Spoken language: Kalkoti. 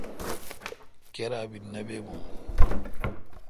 کیرا بی نہ با بو۔